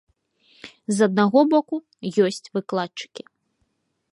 З аднаго боку, ёсць выкладчыкі.